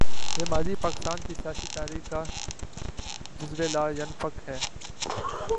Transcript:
یہ ماضی پاکستان کی سیاسی تاریخ کا جزو لا ینفک ہے۔